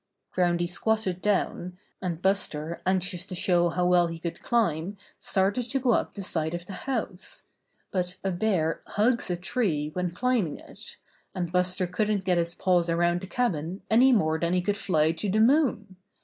Groundy squatted down, and Buster anx ious to show how well he could climb started to go up the side of the house; but a bear hugs a tree when climbing it, and Buster couldn't get his paws around the cabin any more than he could fly to the moon.